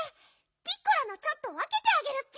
ピッコラのちょっとわけてあげるッピ。